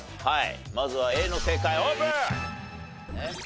まずはＡの正解オープン！